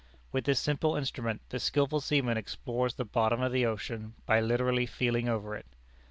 With this simple instrument the skilful seaman explores the bottom of the ocean by literally feeling over it.